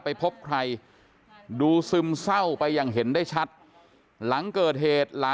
ไปพบใครดูซึมเศร้าไปอย่างเห็นได้ชัดหลังเกิดเหตุหลาน